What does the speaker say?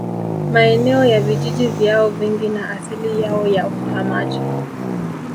Maeneo ya vijiji vyao vingi na asili yao ya uhamaji